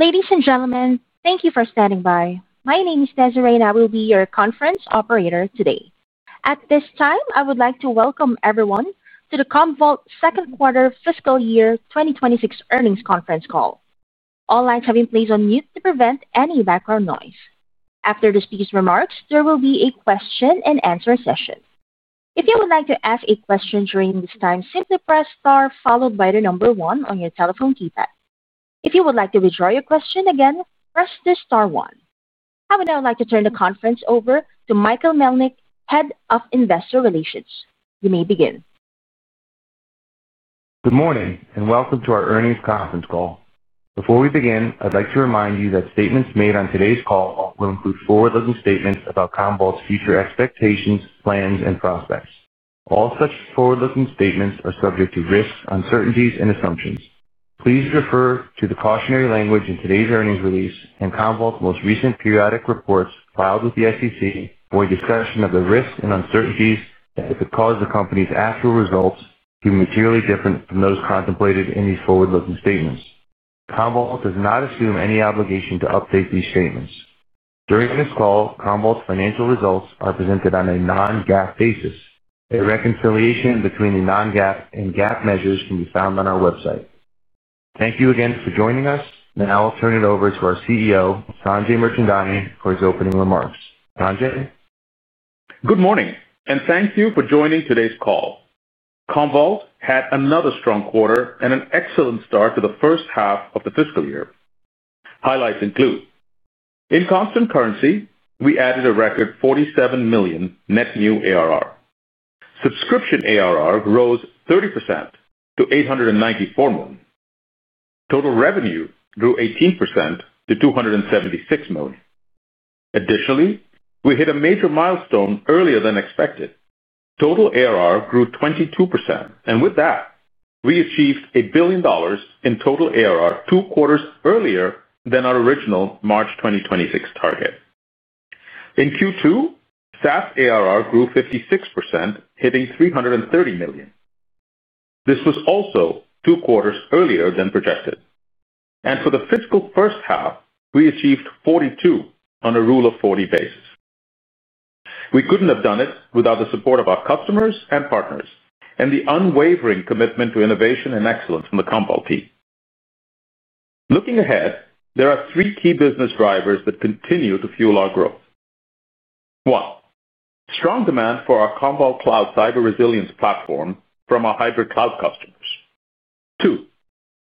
Ladies and gentlemen, thank you for standing by. My name is Desiree, and I will be your conference operator today. At this time, I would like to welcome everyone to the Commvault second quarter fiscal year 2026 earnings conference call. All lines have been placed on mute to prevent any background noise. After the speaker's remarks, there will be a question and answer session. If you would like to ask a question during this time, simply press star followed by the number one on your telephone keypad. If you would like to withdraw your question, again press star one. I would now like to turn the conference over to Michael Melnyk, Head of Investor Relations. You may begin. Good morning and welcome to our earnings conference call. Before we begin, I'd like to remind you that statements made on today's call will include forward-looking statements about Commvault's future expectations, plans, and prospects. All such forward-looking statements are subject to risks, uncertainties, and assumptions. Please refer to the cautionary language in today's earnings release and Commvault's most recent periodic reports filed with the SEC for a discussion of the risks and uncertainties that could cause the company's actual results to be materially different from those contemplated in these forward-looking statements. Commvault does not assume any obligation to update these statements. During this call, Commvault's financial results are presented on a non-GAAP basis. A reconciliation between the non-GAAP and GAAP measures can be found on our website. Thank you again for joining us. Now I'll turn it over to our CEO, Sanjay Mirchandani, for his opening remarks. Sanjay? Good morning, and thank you for joining today's call. Commvault had another strong quarter and an excellent start to the first half of the fiscal year. Highlights include: in constant currency, we added a record $47 million Net New ARR. Subscription ARR rose 30% to $894 million. Total revenue grew 18% to $276 million. Additionally, we hit a major milestone earlier than expected. Total ARR grew 22%. With that, we achieved $1 billion in total ARR two quarters earlier than our original March 2026 target. In Q2, SaaS ARR grew 56%, hitting $330 million. This was also two quarters earlier than projected. For the fiscal first half, we achieved 42 on a rule of 40 basis. We couldn't have done it without the support of our customers and partners and the unwavering commitment to innovation and excellence from the Commvault team. Looking ahead, there are three key business drivers that continue to fuel our growth. One, strong demand for our Commvault Cloud Cyber Resilience platform from our hybrid cloud customers.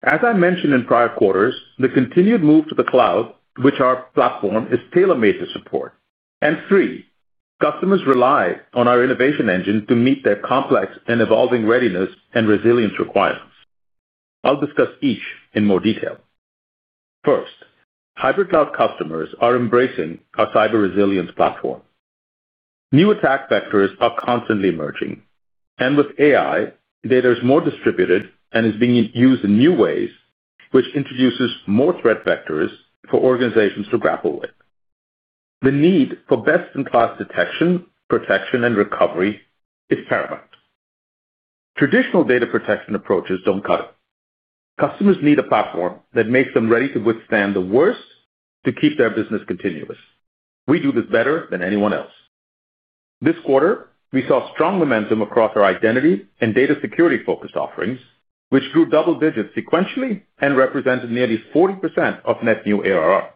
Two, as I mentioned in prior quarters, the continued move to the cloud, which our platform is tailor-made to support. Three, customers rely on our innovation engine to meet their complex and evolving readiness and resilience requirements. I'll discuss each in more detail. First, hybrid cloud customers are embracing our cyber resilience platform. New attack vectors are constantly emerging. With AI, data is more distributed and is being used in new ways, which introduces more threat vectors for organizations to grapple with. The need for best-in-class detection, protection, and recovery is paramount. Traditional data protection approaches don't cut it. Customers need a platform that makes them ready to withstand the worst to keep their business continuous. We do this better than anyone else. This quarter, we saw strong momentum across our identity and data security-focused offerings, which grew double-digit sequentially and represented nearly 40% of Net New ARR.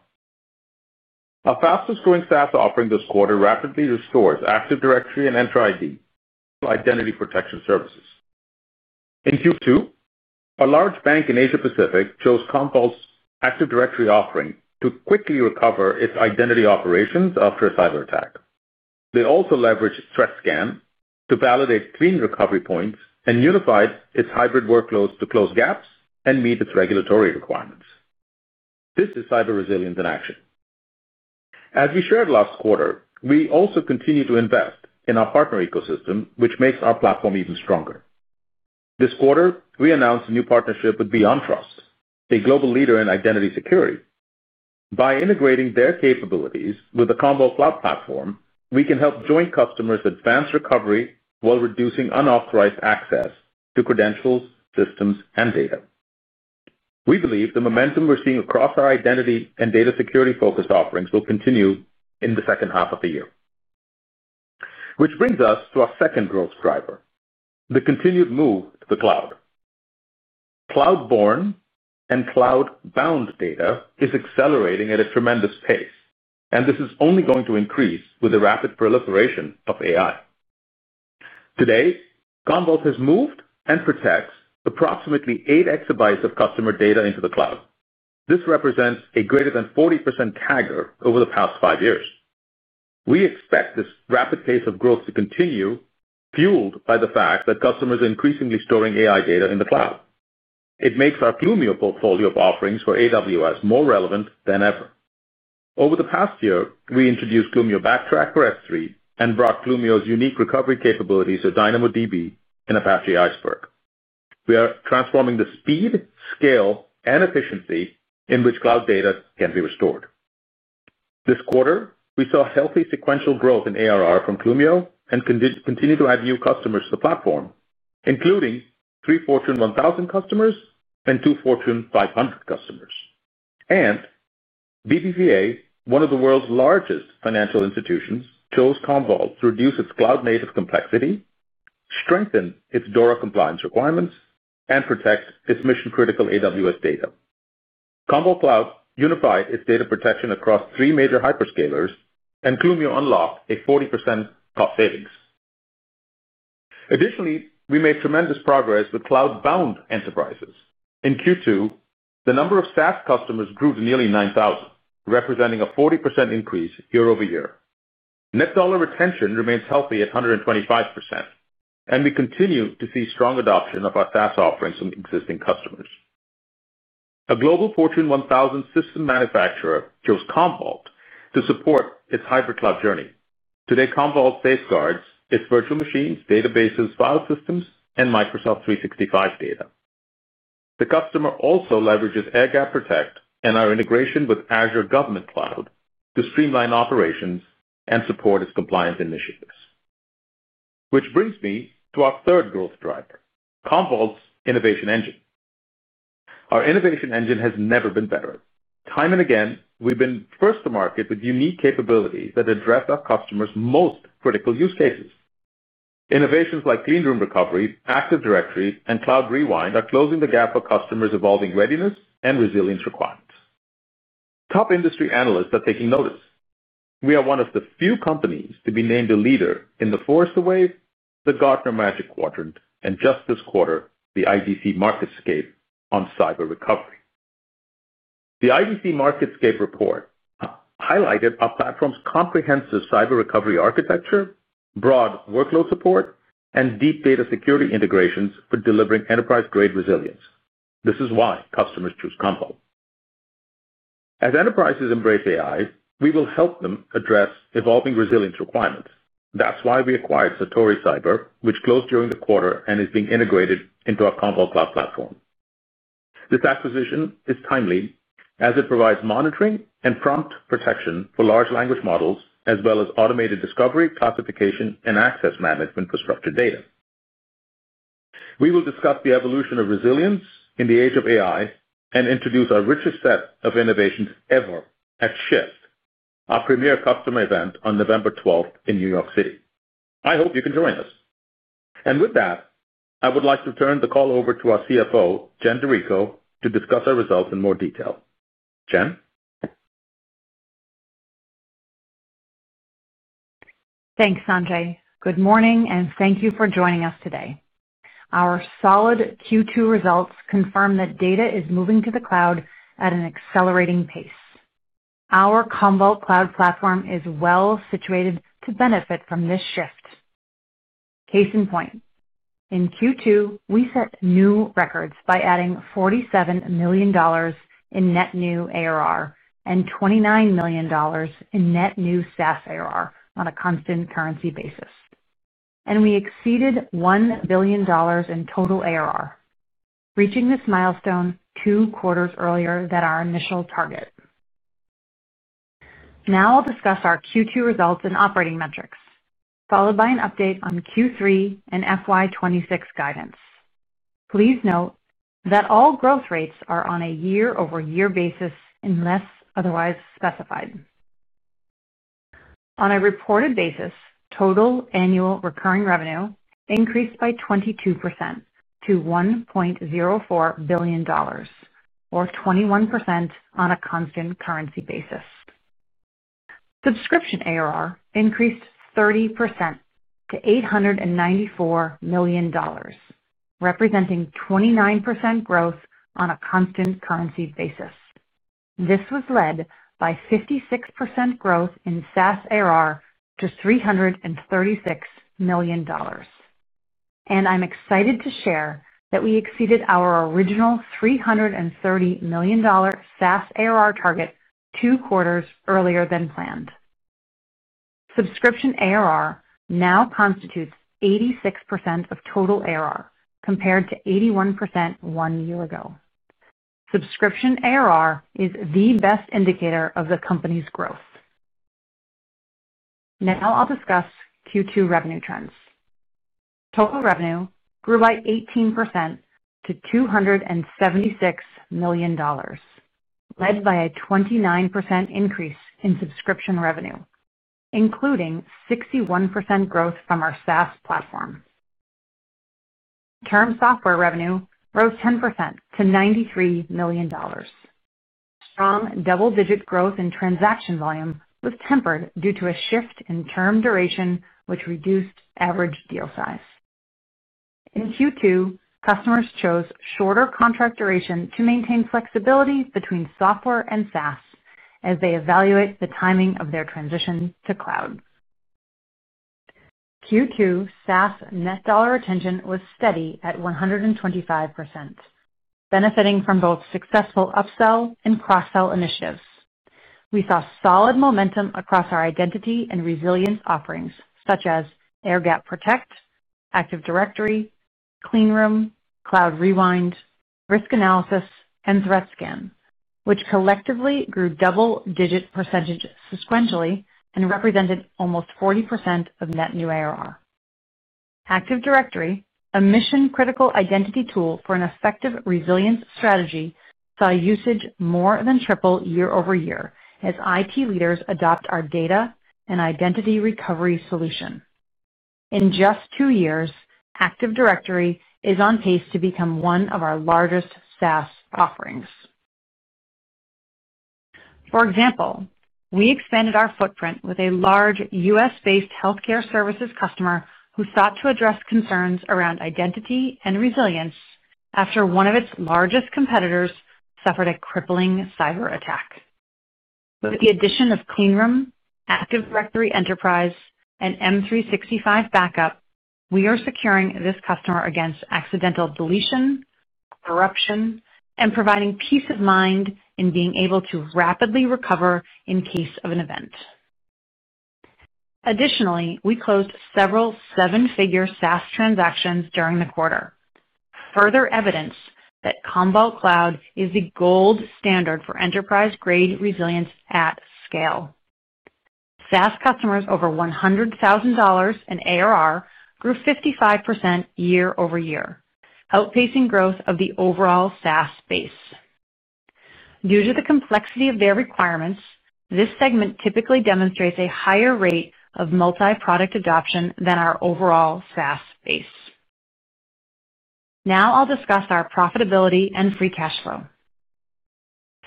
Our fastest growing SaaS offering this quarter rapidly restores Active Directory and Entra ID for identity protection services. In Q2, a large bank in Asia-Pacific chose Commvault's Active Directory offering to quickly recover its identity operations after a cyber attack. They also leveraged Threat Scan to validate clean recovery points and unified its hybrid workloads to close gaps and meet its regulatory requirements. This is cyber resilience in action. As we shared last quarter, we also continue to invest in our partner ecosystem, which makes our platform even stronger. This quarter, we announced a new partnership with BeyondTrust, a global leader in identity security. By integrating their capabilities with the Commvault Cloud Platform, we can help joint customers advance recovery while reducing unauthorized access to credentials, systems, and data. We believe the momentum we're seeing across our identity and data security-focused offerings will continue in the second half of the year. This brings us to our second growth driver: the continued move to the cloud. Cloud-born and cloud-bound data is accelerating at a tremendous pace, and this is only going to increase with the rapid proliferation of AI. Today, Commvault has moved and protects approximately eight exabytes of customer data into the cloud. This represents a greater than 40% CAGR over the past five years. We expect this rapid pace of growth to continue, fueled by the fact that customers are increasingly storing AI data in the cloud. It makes our Plumio portfolio of offerings for AWS more relevant than ever. Over the past year, we introduced Plumio Backtrack for S3 and brought Plumio's unique recovery capabilities to DynamoDB and Apache Iceberg. We are transforming the speed, scale, and efficiency in which cloud data can be restored. This quarter, we saw healthy sequential growth in ARR from Plumio and continue to add new customers to the platform, including three Fortune 1000 customers and two Fortune 500 customers. BBVA, one of the world's largest financial institutions, chose Commvault to reduce its cloud-native complexity, strengthen its DORA compliance requirements, and protect its mission-critical AWS data. Commvault Cloud unified its data protection across three major hyperscalers, and Plumio unlocked a 40% cost savings. Additionally, we made tremendous progress with cloud-bound enterprises. In Q2, the number of SaaS customers grew to nearly 9,000, representing a 40% increase year-over-year. Net dollar retention remains healthy at 125%, and we continue to see strong adoption of our SaaS offerings from existing customers. A global Fortune 1000 system manufacturer chose Commvault to support its hybrid cloud journey. Today, Commvault safeguards its virtual machines, databases, file systems, and Microsoft 365 data. The customer also leverages Air Gap Protect and our integration with Azure Government Cloud to streamline operations and support its compliance initiatives. This brings me to our third growth driver: Commvault's innovation engine. Our innovation engine has never been better. Time and again, we've been first to market with unique capabilities that address our customers' most critical use cases. Innovations like Clean Room recovery, Active Directory, and Cloud Rewind are closing the gap for customers' evolving readiness and resilience requirements. Top industry analysts are taking notice. We are one of the few companies to be named a leader in the Gartner Magic Quadrant and just this quarter, the IDC Marketscape on cyber recovery. The IDC Marketscape report highlighted our platform's comprehensive cyber recovery architecture, broad workload support, and deep data security integrations for delivering enterprise-grade resilience. This is why customers choose Commvault. As enterprises embrace AI, we will help them address evolving resilience requirements. That's why we acquired Satori Cyber, which closed during the quarter and is being integrated into our Commvault Cloud Platform. This acquisition is timely, as it provides monitoring and prompt protection for large language models, as well as automated discovery, classification, and access management for structured data. We will discuss the evolution of resilience in the age of AI and introduce our richest set of innovations ever at Shift, our premier customer event on November 12th in New York City. I hope you can join us. With that, I would like to turn the call over to our CFO, Jen DiRico, to discuss our results in more detail. Jen. Thanks, Sanjay. Good morning, and thank you for joining us today. Our solid Q2 results confirm that data is moving to the cloud at an accelerating pace. Our Commvault Cloud Platform is well situated to benefit from this shift. Case in point: in Q2, we set new records by adding $47 million in Net New ARR and $29 million in net new SaaS ARR on a constant currency basis. We exceeded $1 billion in total ARR, reaching this milestone two quarters earlier than our initial target. Now I'll discuss our Q2 results and operating metrics, followed by an update on Q3 and FY 2026 guidance. Please note that all growth rates are on a year-over-year basis unless otherwise specified. On a reported basis, total annual recurring revenue increased by 22% to $1.04 billion, or 21% on a constant currency basis. Subscription ARR increased 30% to $894 million, representing 29% growth on a constant currency basis. This was led by 56% growth in SaaS ARR to $336 million. I'm excited to share that we exceeded our original $330 million SaaS ARR target two quarters earlier than planned. Subscription ARR now constitutes 86% of total ARR, compared to 81% one year ago. Subscription ARR is the best indicator of the company's growth. Now I'll discuss Q2 revenue trends. Total revenue grew by 18% to $276 million, led by a 29% increase in subscription revenue, including 61% growth from our SaaS platform. Term software revenue rose 10% to $93 million. Strong double-digit growth in transaction volume was tempered due to a shift in term duration, which reduced average deal size. In Q2, customers chose shorter contract duration to maintain flexibility between software and SaaS as they evaluate the timing of their transition to cloud. Q2 SaaS net dollar retention was steady at 125%, benefiting from both successful upsell and cross-sell initiatives. We saw solid momentum across our identity and resilience offerings, such as Air Gap Protect, Active Directory, Clean Room, Cloud Rewind, Risk Analysis, and Threat Scan, which collectively grew double-digit percentage sequentially and represented almost 40% of Net New ARR. Active Directory, a mission-critical identity tool for an effective resilience strategy, saw usage more than triple year-over-year as IT leaders adopt our data and identity recovery solution. In just two years, Active Directory is on pace to become one of our largest SaaS offerings. For example, we expanded our footprint with a large U.S.-based healthcare services customer who sought to address concerns around identity and resilience after one of its largest competitors suffered a crippling cyber attack. With the addition of Clean Room, Active Directory Enterprise, and M365 backup, we are securing this customer against accidental deletion, corruption, and providing peace of mind in being able to rapidly recover in case of an event. Additionally, we closed several seven-figure SaaS transactions during the quarter, further evidence that Commvault Cloud is the gold standard for enterprise-grade resilience at scale. SaaS customers over $100,000 in ARR grew 55% year-over-year, outpacing growth of the overall SaaS base. Due to the complexity of their requirements, this segment typically demonstrates a higher rate of multi-product adoption than our overall SaaS base. Now I'll discuss our profitability and free cash flow.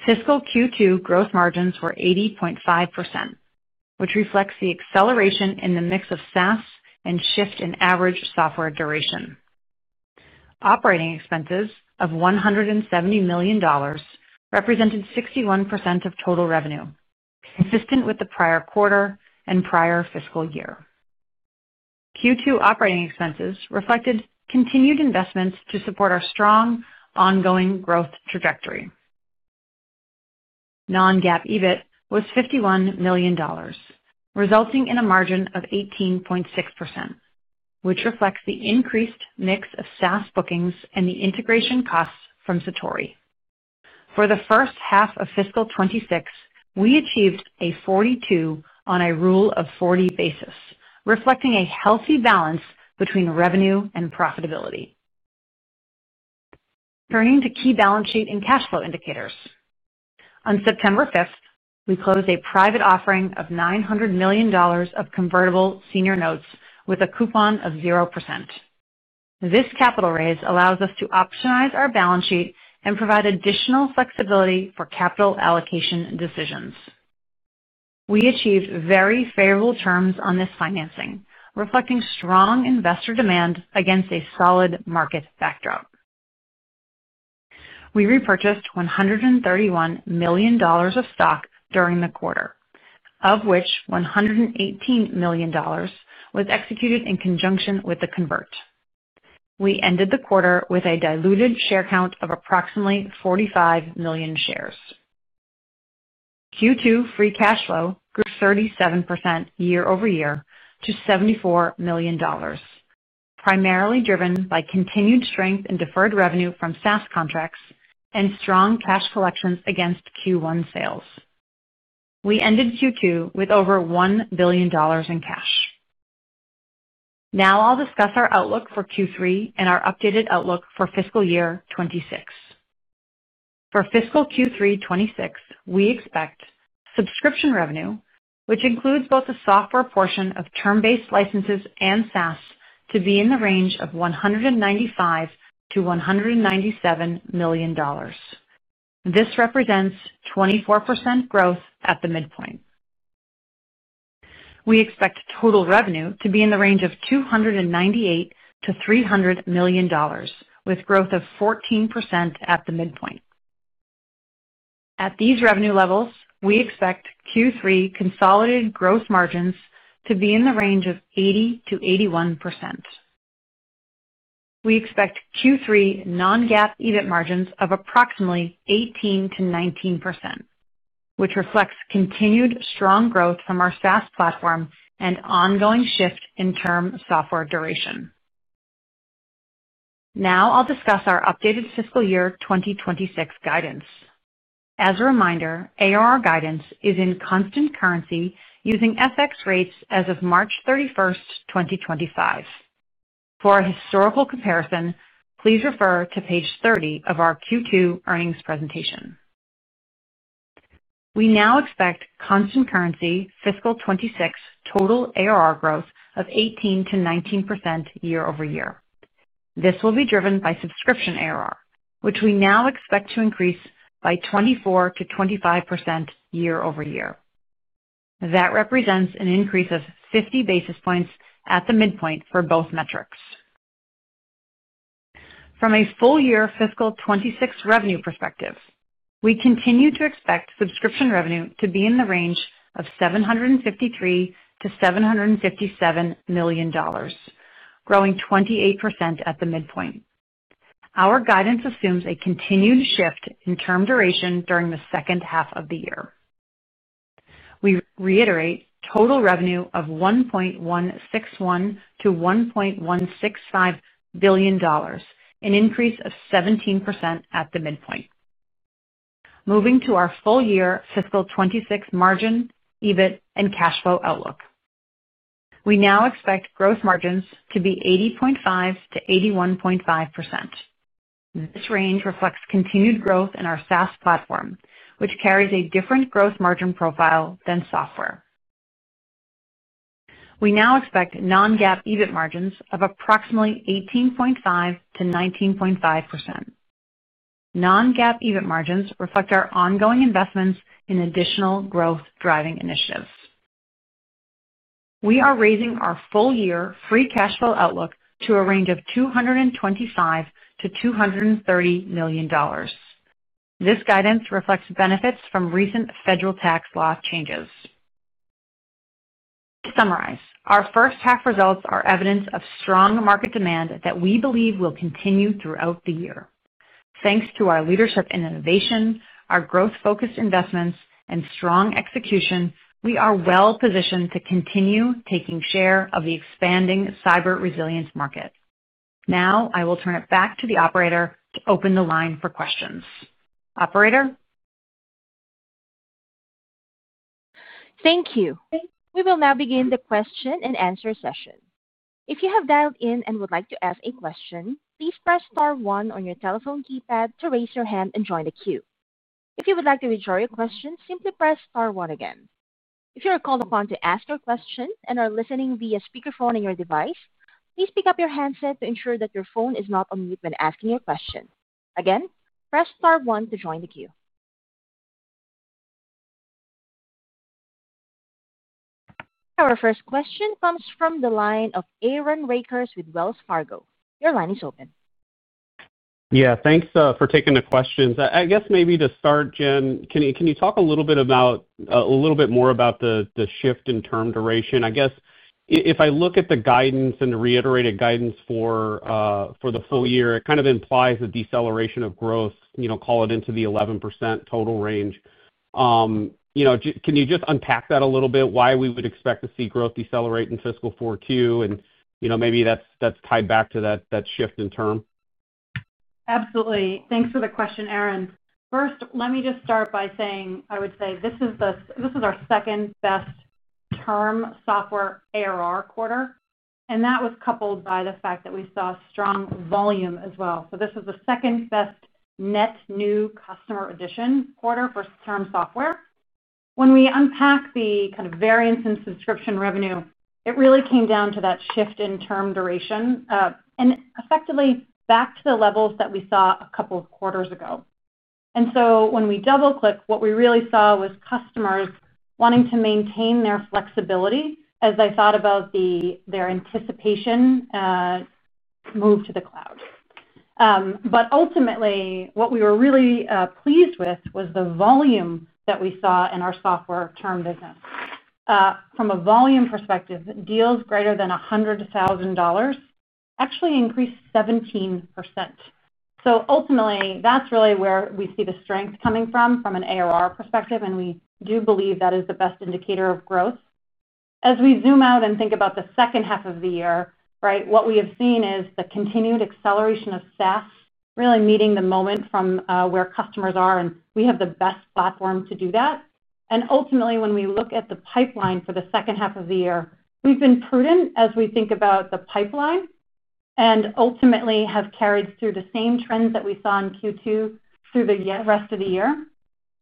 Fiscal Q2 gross margins were 80.5%, which reflects the acceleration in the mix of SaaS and Shift in average software duration. Operating expenses of $170 million represented 61% of total revenue, consistent with the prior quarter and prior fiscal year. Q2 operating expenses reflected continued investments to support our strong ongoing growth trajectory. Non-GAAP EBIT was $51 million, resulting in a margin of 18.6%, which reflects the increased mix of SaaS bookings and the integration costs from Satori. For the first half of fiscal 2026, we achieved a 42 on a rule of 40 basis, reflecting a healthy balance between revenue and profitability. Turning to key balance sheet and cash flow indicators. On September 5th, we closed a private offering of $900 million of convertible senior notes with a coupon of 0%. This capital raise allows us to optimize our balance sheet and provide additional flexibility for capital allocation decisions. We achieved very favorable terms on this financing, reflecting strong investor demand against a solid market backdrop. We repurchased $131 million of stock during the quarter, of which $118 million was executed in conjunction with the convert. We ended the quarter with a diluted share count of approximately 45 million shares. Q2 free cash flow grew 37% year-over-year to $74 million, primarily driven by continued strength in deferred revenue from SaaS contracts and strong cash collections against Q1 sales. We ended Q2 with over $1 billion in cash. Now I'll discuss our outlook for Q3 and our updated outlook for fiscal year 2026. For fiscal Q3 2026, we expect subscription revenue, which includes both the software portion of term-based licenses and SaaS, to be in the range of $195 million-$197 million. This represents 24% growth at the midpoint. We expect total revenue to be in the range of $298 million-$300 million, with growth of 14% at the midpoint. At these revenue levels, we expect Q3 consolidated gross margins to be in the range of 80%-81%. We expect Q3 non-GAAP EBIT margins of approximately 18%-19%, which reflects continued strong growth from our SaaS platform and ongoing shift in term software duration. Now I'll discuss our updated fiscal year 2026 guidance. As a reminder, ARR guidance is in constant currency using FX rates as of March 31, 2025. For a historical comparison, please refer to page 30 of our Q2 earnings presentation. We now expect constant currency fiscal 2026 total ARR growth of 18%-19% year-over-year. This will be driven by subscription ARR, which we now expect to increase by 24%-25% year-over-year. That represents an increase of 50 basis points at the midpoint for both metrics. From a full-year fiscal 2026 revenue perspective, we continue to expect subscription revenue to be in the range of $753 million-$757 million, growing 28% at the midpoint. Our guidance assumes a continued shift in term duration during the second half of the year. We reiterate total revenue of $1.161 billion-$1.165 billion, an increase of 17% at the midpoint. Moving to our full-year fiscal 2026 margin, EBIT, and cash flow outlook. We now expect gross margins to be 80.5%-81.5%. This range reflects continued growth in our SaaS platform, which carries a different gross margin profile than software. We now expect non-GAAP EBIT margins of approximately 18.5%-19.5%. Non-GAAP EBIT margins reflect our ongoing investments in additional growth-driving initiatives. We are raising our full-year free cash flow outlook to a range of $225 million-$230 million. This guidance reflects benefits from recent federal tax law changes. To summarize, our first half results are evidence of strong market demand that we believe will continue throughout the year. Thanks to our leadership in innovation, our growth-focused investments, and strong execution, we are well positioned to continue taking share of the expanding cyber resilience market. Now I will turn it back to the operator to open the line for questions. Operator? Thank you. We will now begin the question and answer session. If you have dialed in and would like to ask a question, please press star one on your telephone keypad to raise your hand and join the queue. If you would like to withdraw your question, simply press star one again. If you are called upon to ask your question and are listening via speakerphone on your device, please pick up your handset to ensure that your phone is not on mute when asking your question. Again, press star one to join the queue. Our first question comes from the line of Aaron Rakers with Wells Fargo. Your line is open. Yeah, thanks for taking the questions. I guess maybe to start, Jen, can you talk a little bit more about the shift in term duration? I guess if I look at the guidance and the reiterated guidance for the full year, it kind of implies a deceleration of growth, you know, call it into the 11% total range. You know, can you just unpack that a little bit? Why we would expect to see growth decelerate in fiscal four Q, and you know, maybe that's tied back to that shift in term? Absolutely. Thanks for the question, Aaron. First, let me just start by saying I would say this is our second best term software ARR quarter. That was coupled by the fact that we saw strong volume as well. This is the second best net new customer addition quarter for term software. When we unpack the kind of variance in subscription revenue, it really came down to that shift in term duration, effectively back to the levels that we saw a couple of quarters ago. When we double-clicked, what we really saw was customers wanting to maintain their flexibility as they thought about their anticipation move to the cloud. Ultimately, what we were really pleased with was the volume that we saw in our software term business. From a volume perspective, deals greater than $100,000 actually increased 17%. Ultimately, that's really where we see the strength coming from, from an ARR perspective, and we do believe that is the best indicator of growth. As we zoom out and think about the second half of the year, what we have seen is the continued acceleration of SaaS really meeting the moment from where customers are, and we have the best platform to do that. Ultimately, when we look at the pipeline for the second half of the year, we've been prudent as we think about the pipeline and ultimately have carried through the same trends that we saw in Q2 through the rest of the year.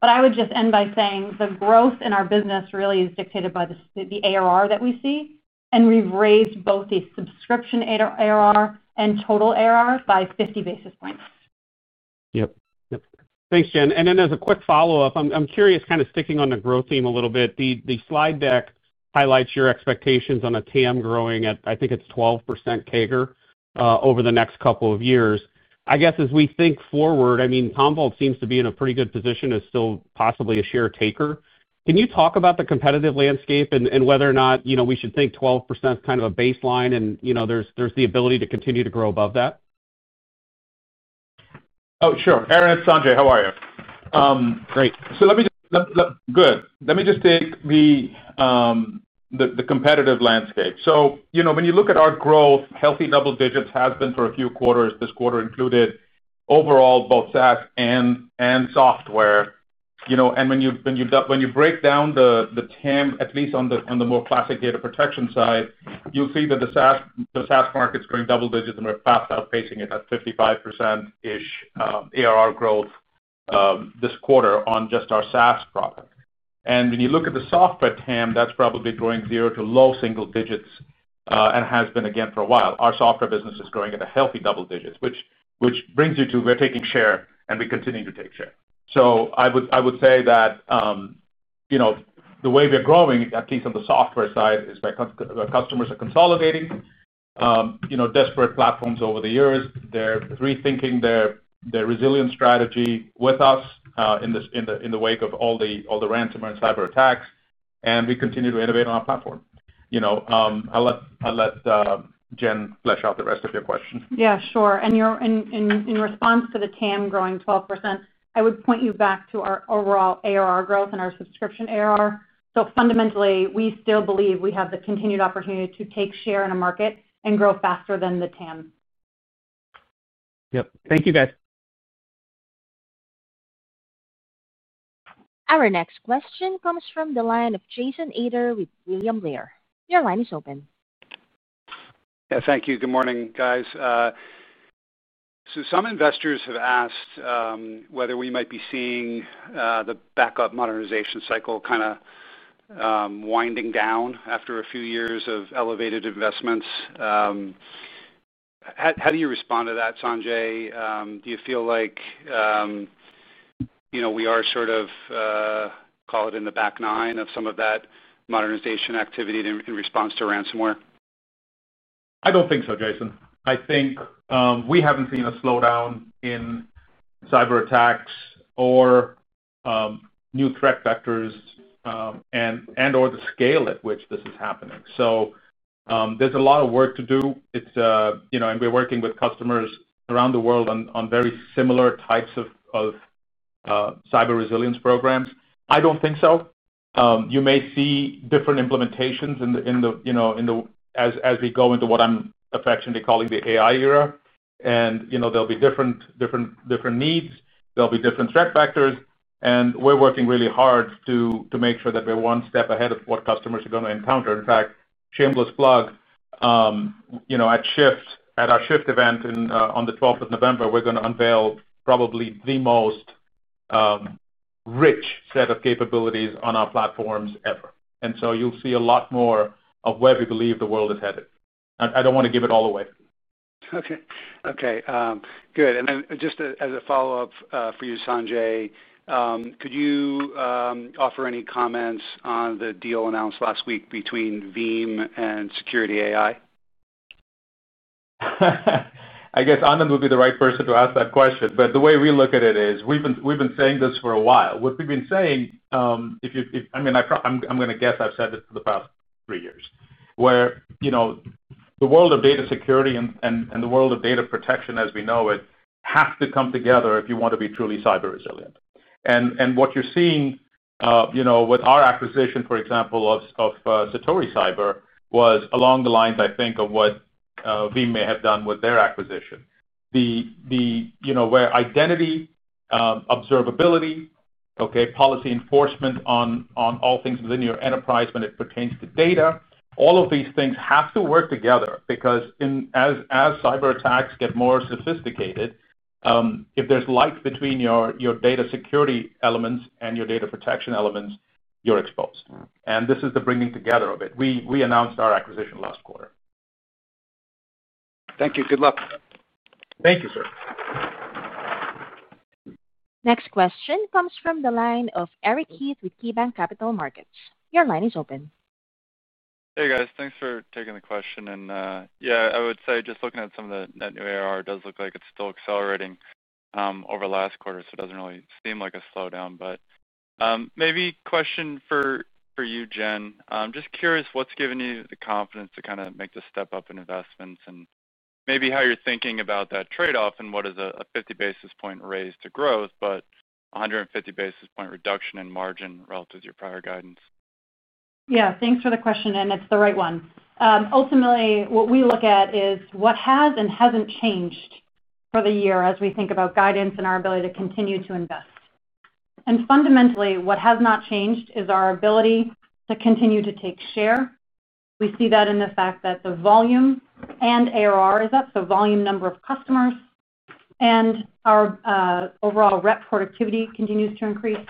I would just end by saying the growth in our business really is dictated by the ARR that we see, and we've raised both the subscription ARR and total ARR by 50 basis points. Thanks, Jen. As a quick follow-up, I'm curious, kind of sticking on the growth theme a little bit, the slide deck highlights your expectations on a TAM growing at, I think it's 12% CAGR over the next couple of years. I guess as we think forward, I mean, Commvault seems to be in a pretty good position, is still possibly a share taker. Can you talk about the competitive landscape and whether or not we should think 12% is kind of a baseline and there's the ability to continue to grow above that? Oh, sure. Aaron, it's Sanjay. How are you? Great. Let me just take the competitive landscape. You know, when you look at our growth, healthy double digits has been for a few quarters, this quarter included, overall both SaaS and software. You know, when you break down the TAM, at least on the more classic data protection side, you'll see that the SaaS market's growing double digits and we're fast outpacing it at 55% ARR growth this quarter on just our SaaS product. When you look at the software TAM, that's probably growing zero to low single digits and has been again for a while. Our software business is growing at a healthy double digits, which brings you to we're taking share and we continue to take share. I would say that you know the way we're growing, at least on the software side, is by customers are consolidating. You know, disparate platforms over the years, they're rethinking their resilience strategy with us in the wake of all the ransomware and cyber attacks, and we continue to innovate on our platform. I'll let Jen flesh out the rest of your question. Yeah, sure. In response to the TAM growing 12%, I would point you back to our overall ARR growth and our subscription ARR. Fundamentally, we still believe we have the continued opportunity to take share in a market and grow faster than the TAM. Thank you guys. Our next question comes from the line of Jason Ader with William Blair. Your line is open. Thank you. Good morning, guys. Some investors have asked whether we might be seeing the backup modernization cycle kind of winding down after a few years of elevated investments. How do you respond to that, Sanjay? Do you feel like you know we are sort of, call it in the back nine of some of that modernization activity in response to ransomware? I don't think so, Jason. I think we haven't seen a slowdown in cyber attacks or new threat vectors or the scale at which this is happening. There's a lot of work to do. We're working with customers around the world on very similar types of cyber resilience programs. I don't think so. You may see different implementations as we go into what I'm affectionately calling the AI era. There will be different needs, there will be different threat vectors, and we're working really hard to make sure that we're one step ahead of what customers are going to encounter. In fact, shameless plug, at Shift, at our Shift event on November 12th, we're going to unveil probably the most rich set of capabilities on our platforms ever. You'll see a lot more of where we believe the world is headed. I don't want to give it all away. Okay. Good. Just as a follow-up for you, Sanjay, could you offer any comments on the deal announced last week between Veeam and Security AI? I guess Anand would be the right person to ask that question. The way we look at it is we've been saying this for a while. What we've been saying, if you, I mean, I'm going to guess I've said this for the past three years, where you know the world of data security and the world of data protection, as we know it, have to come together if you want to be truly cyber resilient. What you're seeing with our acquisition, for example, of Satori Cyber was along the lines, I think, of what Veeam may have done with their acquisition. Where identity, observability, policy enforcement on all things within your enterprise when it pertains to data, all of these things have to work together because as cyber attacks get more sophisticated, if there's light between your data security elements and your data protection elements, you're exposed. This is the bringing together of it. We announced our acquisition last quarter. Thank you. Good luck. Thank you, sir. Next question comes from the line of Eric Heath with KeyBanc Capital Markets. Your line is open. Hey, guys. Thanks for taking the question. I would say just looking at some of the Net New ARR, it does look like it's still accelerating over the last quarter, so it doesn't really seem like a slowdown. Maybe a question for you, Jen. I'm just curious, what's given you the confidence to kind of make the step up in investments and how you're thinking about that trade-off and what is a 50 basis point raise to growth, but 150 basis point reduction in margin relative to your prior guidance? Yeah, thanks for the question, and it's the right one. Ultimately, what we look at is what has and hasn't changed for the year as we think about guidance and our ability to continue to invest. Fundamentally, what has not changed is our ability to continue to take share. We see that in the fact that the volume and ARR is up, so volume, number of customers, and our overall rep productivity continues to increase.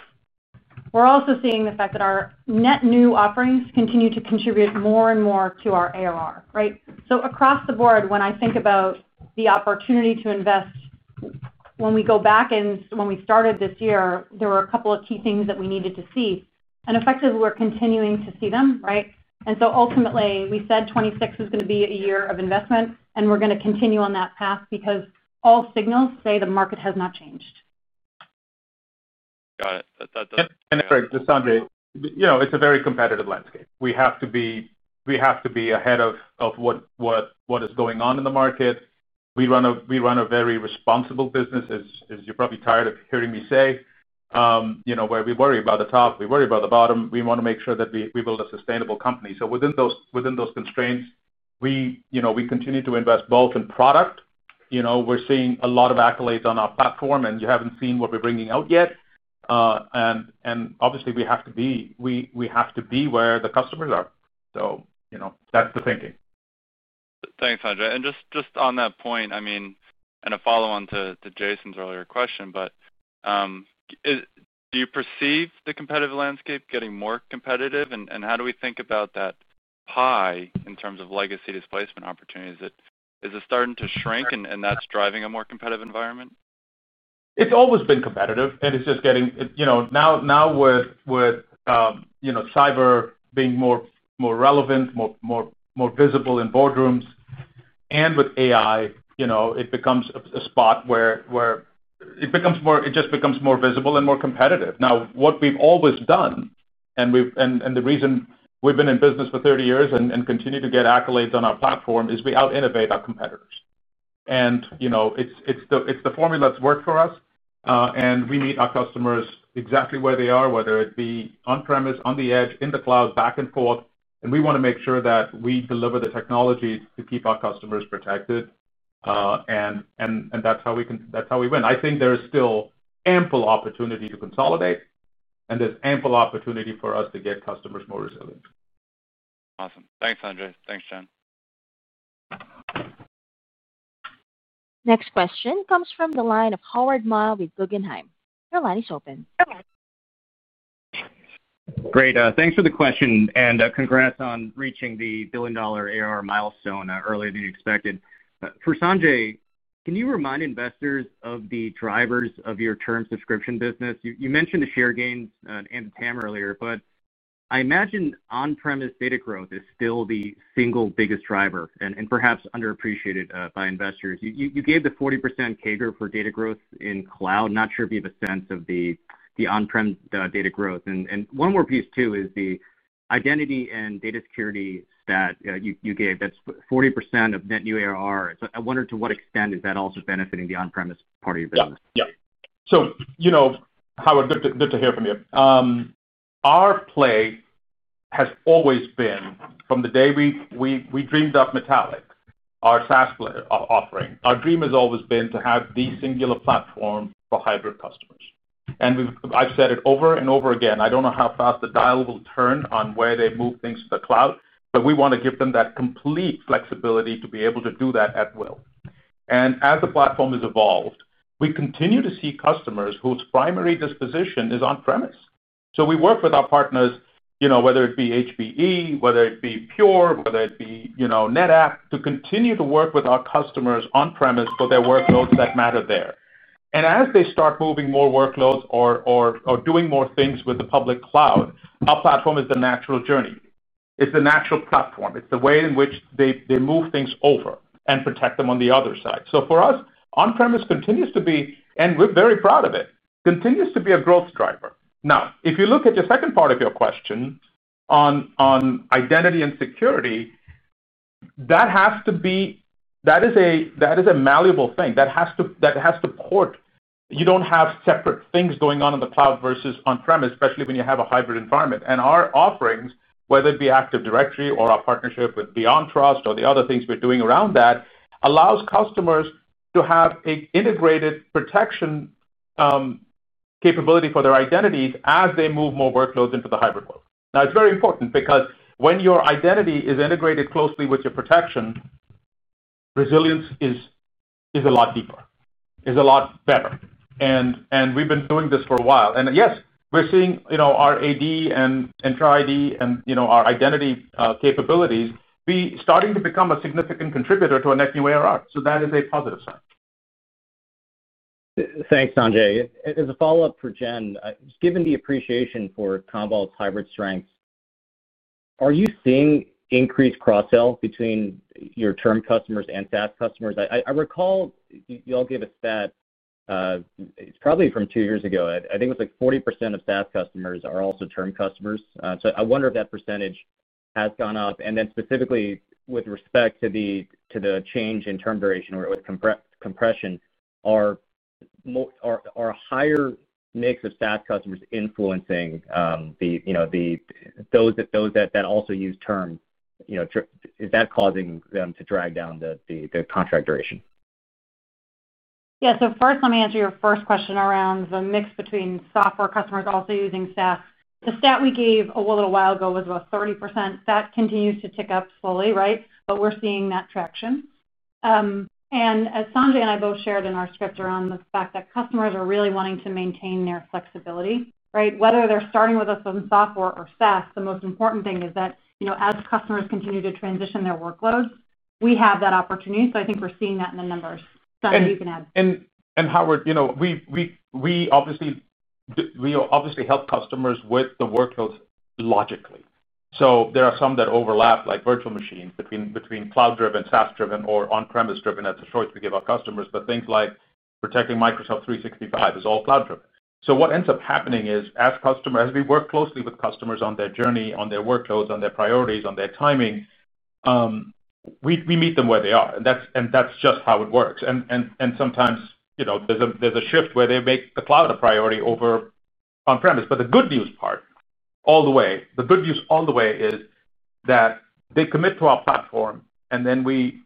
We're also seeing the fact that our net new offerings continue to contribute more and more to our ARR, right? Across the board, when I think about the opportunity to invest, when we go back and when we started this year, there were a couple of key things that we needed to see. Effectively, we're continuing to see them, right? Ultimately, we said 2026 was going to be a year of investment, and we're going to continue on that path because all signals say the market has not changed. Got it. Sorry, just Sanjay, it's a very competitive landscape. We have to be ahead of what is going on in the market. We run a very responsible business, as you're probably tired of hearing me say, you know, where we worry about the top, we worry about the bottom. We want to make sure that we build a sustainable company. Within those constraints, we continue to invest both in product. We're seeing a lot of accolades on our platform, and you haven't seen what we're bringing out yet. Obviously, we have to be where the customers are. That's the thinking. Thanks, Sanjay. Just on that point, I mean, a follow-on to Jason's earlier question, do you perceive the competitive landscape getting more competitive? How do we think about that pie in terms of legacy displacement opportunities? Is it starting to shrink and that's driving a more competitive environment? It's always been competitive, and it's just getting, you know, now with cyber being more relevant, more visible in boardrooms, and with AI, it becomes a spot where it becomes more, it just becomes more visible and more competitive. What we've always done, and the reason we've been in business for 30 years and continue to get accolades on our platform, is we out-innovate our competitors. It's the formula that's worked for us, and we meet our customers exactly where they are, whether it be on-premise, on the edge, in the cloud, back and forth. We want to make sure that we deliver the technologies to keep our customers protected. That's how we win. I think there's still ample opportunity to consolidate, and there's ample opportunity for us to get customers more resilient. Awesome. Thanks, Sanjay. Thanks, Jen. Next question comes from the line of Howard Ma with Guggenheim. Your line is open. Great. Thanks for the question. Congrats on reaching the billion-dollar ARR milestone earlier than you expected. For Sanjay, can you remind investors of the drivers of your term subscription business? You mentioned the share gains and the TAM earlier. I imagine on-premise data growth is still the single biggest driver and perhaps underappreciated by investors. You gave the 40% CAGR for data growth in cloud. I'm not sure if you have a sense of the on-prem data growth. One more piece, too, is the identity and data security stat you gave. That's 40% of Net New ARR. I wonder to what extent is that also benefiting the on-premise part of your business? Yeah. You know, Howard, good to hear from you. Our play has always been, from the day we dreamed up Metallic, our SaaS offering, our dream has always been to have the singular platform for hybrid customers. I've said it over and over again, I don't know how fast the dial will turn on where they move things to the cloud, but we want to give them that complete flexibility to be able to do that at will. As the platform has evolved, we continue to see customers whose primary disposition is on-premise. We work with our partners, whether it be HPE, Pure, or NetApp, to continue to work with our customers on-premise for their workloads that matter there. As they start moving more workloads or doing more things with the public cloud, our platform is the natural journey. It's the natural platform. It's the way in which they move things over and protect them on the other side. For us, on-premise continues to be, and we're very proud of it, continues to be a growth driver. If you look at the second part of your question on identity and security, that has to be, that is a malleable thing. That has to port. You don't have separate things going on in the cloud versus on-premise, especially when you have a hybrid environment. Our offerings, whether it be Active Directory or our partnership with BeyondTrust or the other things we're doing around that, allow customers to have an integrated protection capability for their identities as they move more workloads into the hybrid world. It's very important because when your identity is integrated closely with your protection, resilience is a lot deeper, is a lot better. We've been doing this for a while. Yes, we're seeing our AD and Entra ID and our identity capabilities be starting to become a significant contributor to our Net New ARR. That is a positive sign. Thanks, Sanjay. As a follow-up for Jen, just given the appreciation for Commvault's hybrid strengths, are you seeing increased cross-sell between your term customers and SaaS customers? I recall you all gave a stat. It's probably from two years ago. I think it was like 40% of SaaS customers are also term customers. I wonder if that percentage has gone up. Specifically, with respect to the change in term duration or compression, are a higher mix of SaaS customers influencing those that also use term? Is that causing them to drag down the contract duration? Yeah, so first, let me answer your first question around the mix between software customers also using SaaS. The stat we gave a little while ago was about 30%. That continues to tick up slowly, right? We're seeing that traction. As Sanjay and I both shared in our script around the fact that customers are really wanting to maintain their flexibility, right? Whether they're starting with us on software or SaaS, the most important thing is that as customers continue to transition their workloads, we have that opportunity. I think we're seeing that in the numbers. Sanjay, you can add. Howard, you know, we obviously help customers with the workloads logically. There are some that overlap, like virtual machines between cloud-driven and SaaS-driven or on-premise-driven. That's the choice we give our customers. Things like protecting Microsoft 365 is all cloud-driven. What ends up happening is as customers, as we work closely with customers on their journey, on their workloads, on their priorities, on their timing, we meet them where they are. That's just how it works. Sometimes, you know, there's a shift where they make the cloud a priority over on-premise. The good news all the way is that they commit to our platform, and then we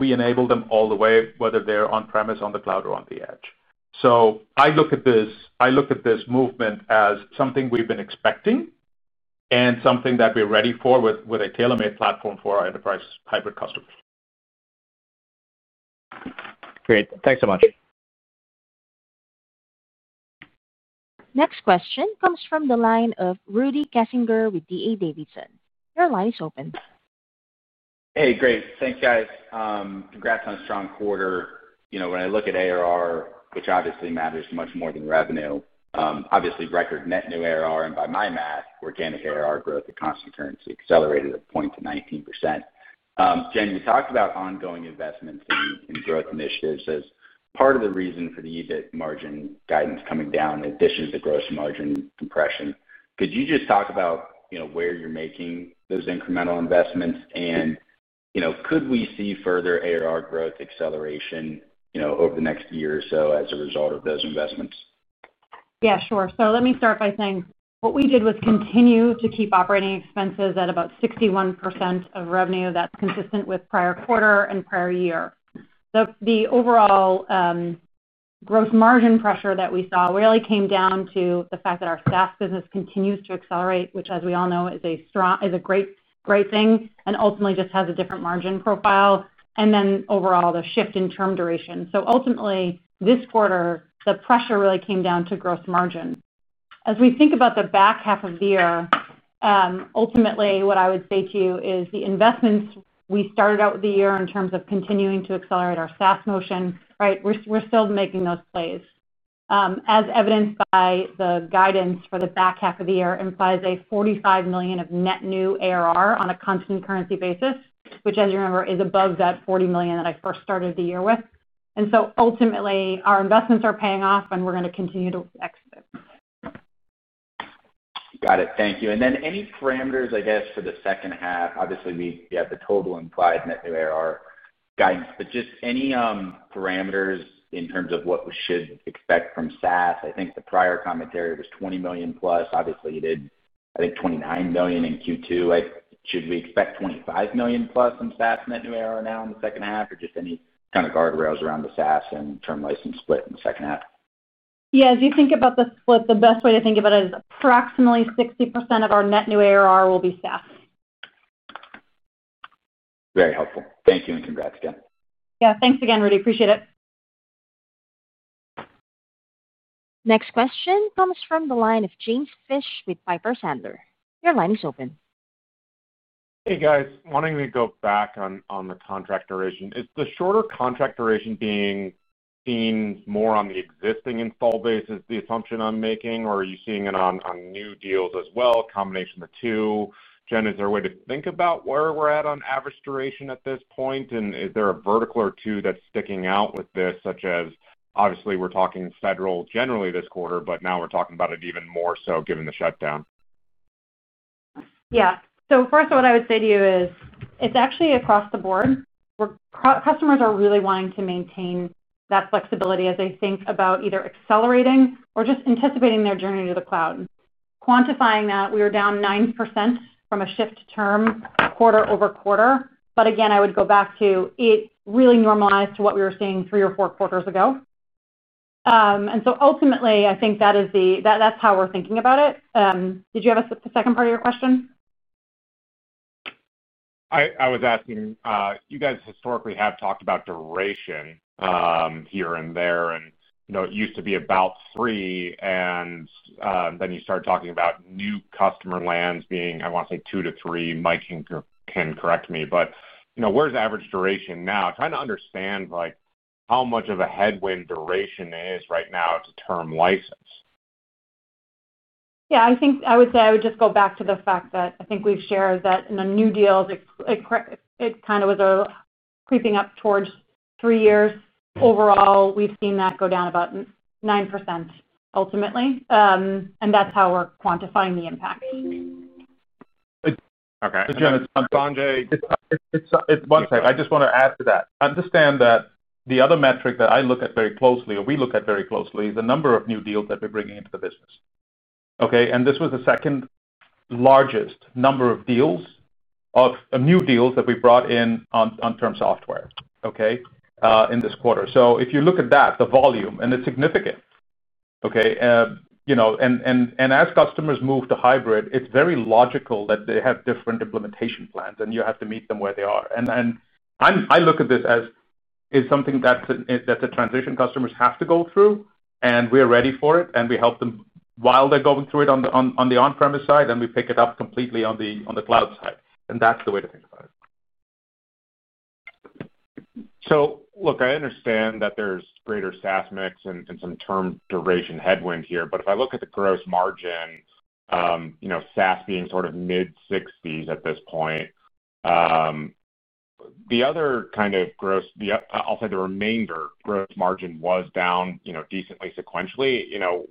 enable them all the way, whether they're on-premise, on the cloud, or on the edge. I look at this movement as something we've been expecting and something that we're ready for with a tailor-made platform for our enterprise hybrid customers. Great. Thanks so much. Next question comes from the line of Rudy Kessinger with D.A. Davidson. Your line is open. Hey, great. Thanks, guys. Congrats on a strong quarter. You know, when I look at ARR, which obviously matters much more than revenue, obviously record Net New ARR, and by my math, organic ARR growth at constant currency accelerated at a point to 19%. Jen, you talked about ongoing investments in growth initiatives as part of the reason for the EBIT margin guidance coming down in addition to the gross margin compression. Could you just talk about where you're making those incremental investments? You know, could we see further ARR growth acceleration over the next year or so as a result of those investments? Yeah, sure. Let me start by saying what we did was continue to keep operating expenses at about 61% of revenue. That's consistent with prior quarter and prior year. The overall gross margin pressure that we saw really came down to the fact that our SaaS business continues to accelerate, which, as we all know, is a great, great thing and ultimately just has a different margin profile. Then overall, the shift in term duration. Ultimately, this quarter, the pressure really came down to gross margin. As we think about the back half of the year, ultimately, what I would say to you is the investments we started out with the year in terms of continuing to accelerate our SaaS motion, right? We're still making those plays. As evidenced by the guidance for the back half of the year, it implies a $45 million of Net New ARR on a constant currency basis, which, as you remember, is above that $40 million that I first started the year with. Ultimately, our investments are paying off, and we're going to continue to exit it. Got it. Thank you. Any parameters, I guess, for the second half? Obviously, we have the total implied Net New ARR guidance, but just any parameters in terms of what we should expect from SaaS? I think the prior commentary was $20 million+. Obviously, you did, I think, $29 million in Q2. Should we expect $25 million+ in SaaS Net New ARR now in the second half, or just any kind of guardrails around the SaaS and term license split in the second half? Yeah, as you think about the split, the best way to think about it is approximately 60% of our Net New ARR will be SaaS. Very helpful. Thank you and congrats again. Yeah, thanks again, Rudy. Appreciate it. Next question comes from the line of James Fish with Piper Sandler. Your line is open. Hey, guys. Wanting to go back on the contract duration. Is the shorter contract duration being seen more on the existing install base, the assumption I'm making, or are you seeing it on new deals as well, a combination of the two? Jen, is there a way to think about where we're at on average duration at this point? Is there a vertical or two that's sticking out with this, such as, obviously, we're talking federal generally this quarter, but now we're talking about it even more so given the shutdown? Yeah. First of all, what I would say to you is it's actually across the board. Customers are really wanting to maintain that flexibility as they think about either accelerating or just anticipating their journey to the cloud. Quantifying that, we were down 9% from a shift term quarter-over-quarter. Again, I would go back to it really normalized to what we were seeing three or four quarters ago. Ultimately, I think that is how we're thinking about it. Did you have a second part of your question? I was asking, you guys historically have talked about duration here and there. You know, it used to be about three, and then you started talking about new customer lands being, I want to say, two to three. Mike can correct me, but you know, where's the average duration now? Trying to understand like how much of a headwind duration is right now to term license. I think I would just go back to the fact that I think we've shared that in the new deals, it kind of was creeping up towards three years. Overall, we've seen that go down about 9% ultimately. That's how we're quantifying the impact. Okay. Jen, it's Sanjay. It's one thing. I just want to add to that. Understand that the other metric that I look at very closely, or we look at very closely, is the number of new deals that we're bringing into the business. This was the second largest number of deals of new deals that we brought in on term software in this quarter. If you look at that, the volume, and it's significant. As customers move to hybrid, it's very logical that they have different implementation plans, and you have to meet them where they are. I look at this as something that's a transition customers have to go through, and we're ready for it, and we help them while they're going through it on the on-premise side, and we pick it up completely on the cloud side. That's the way to think about it. I understand that there's greater SaaS mix and some term duration headwind here, but if I look at the gross margin, you know, SaaS being sort of mid-60% at this point, the other kind of gross, I'll say the remainder gross margin was down decently sequentially. You know,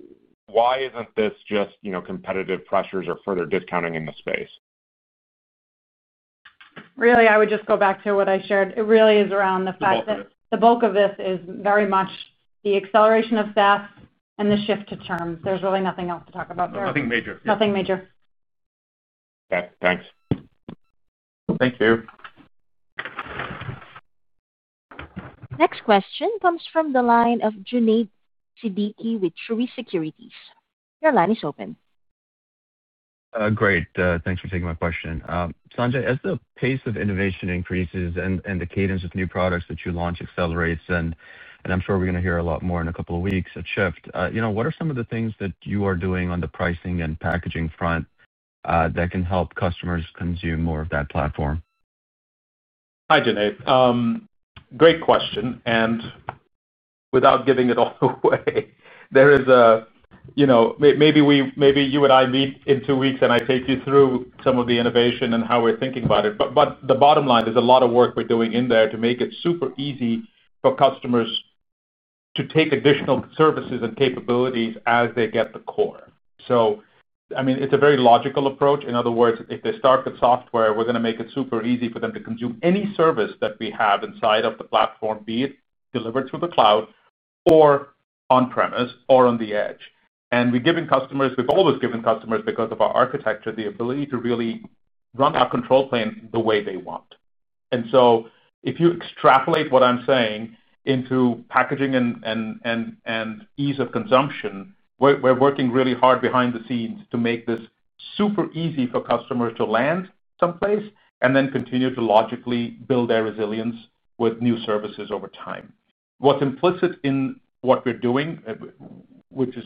why isn't this just competitive pressures or further discounting in the space? Really, I would just go back to what I shared. It really is around the fact that the bulk of this is very much the acceleration of SaaS and the shift to term. There's really nothing else to talk about. Nothing major. Nothing major. Okay. Thanks. Thank you. Next question comes from the line of Junaid Siddiqui with Truist Securities. Your line is open. Great. Thanks for taking my question. Sanjay, as the pace of innovation increases and the cadence of new products that you launch accelerates, and I'm sure we're going to hear a lot more in a couple of weeks at Shift, what are some of the things that you are doing on the pricing and packaging front that can help customers consume more of that platform? Hi, Junaid. Great question. Without giving it all away, maybe you and I meet in two weeks and I take you through some of the innovation and how we're thinking about it. The bottom line is a lot of work we're doing in there to make it super easy for customers to take additional services and capabilities as they get the core. It's a very logical approach. In other words, if they start with software, we're going to make it super easy for them to consume any service that we have inside of the platform, be it delivered through the cloud or on-premise or on the edge. We've always given customers, because of our architecture, the ability to really run our control plane the way they want. If you extrapolate what I'm saying into packaging and ease of consumption, we're working really hard behind the scenes to make this super easy for customers to land someplace and then continue to logically build their resilience with new services over time. What's implicit in what we're doing, which is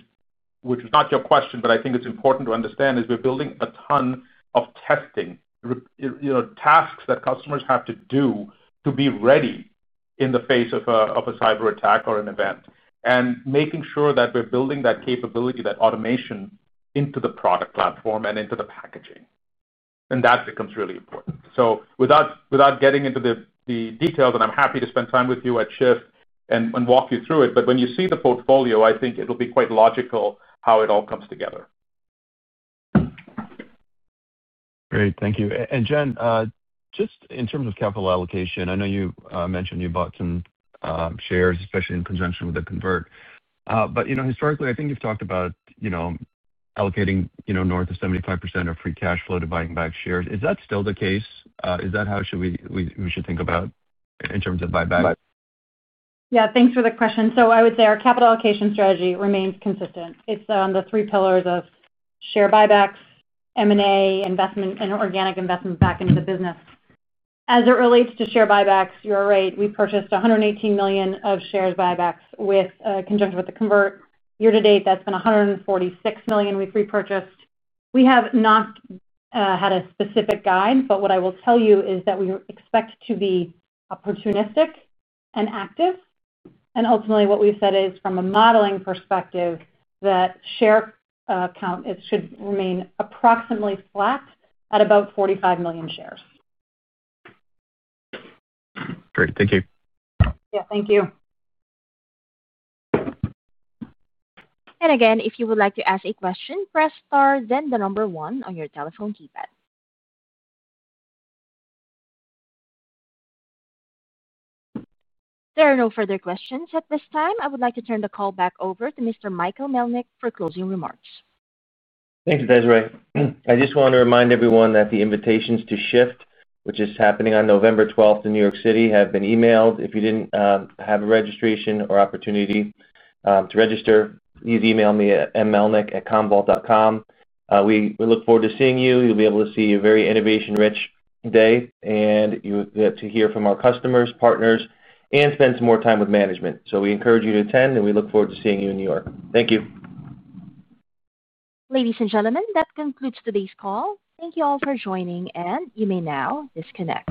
not your question, but I think it's important to understand, is we're building a ton of testing tasks that customers have to do to be ready in the face of a cyber attack or an event. Making sure that we're building that capability, that automation into the product platform and into the packaging becomes really important. Without getting into the details, I'm happy to spend time with you at Shift and walk you through it, but when you see the portfolio, I think it'll be quite logical how it all comes together. Great. Thank you. Jen, just in terms of capital allocation, I know you mentioned you bought some shares, especially in conjunction with the convert. Historically, I think you've talked about allocating north of 75% of free cash flow to buying back shares. Is that still the case? Is that how we should think about in terms of buyback? Yeah, thanks for the question. I would say our capital allocation strategy remains consistent. It's on the three pillars of share buybacks, M&A, investment, and organic investment back into the business. As it relates to share buybacks, you're right. We purchased $118 million of share buybacks in conjunction with the convert. Year to date, that's been $146 million we've repurchased. We have not had a specific guide, but what I will tell you is that we expect to be opportunistic and active. Ultimately, what we've said is from a modeling perspective that share count should remain approximately flat at about 45 million shares. Great. Thank you. Thank you. If you would like to ask a question, press star then the number one on your telephone keypad. There are no further questions at this time. I would like to turn the call back over to Mr. Michael Melnyk for closing remarks. Thanks, Desiree. I just want to remind everyone that the invitations to Shift, which is happening on November 12th in New York City, have been emailed. If you didn't have a registration or opportunity to register, please email me at mmelnyk@commvault.com. We look forward to seeing you. You'll be able to see a very innovation-rich day, and you'll get to hear from our customers, partners, and spend some more time with management. We encourage you to attend, and we look forward to seeing you in New York. Thank you. Ladies and gentlemen, that concludes today's call. Thank you all for joining, and you may now disconnect.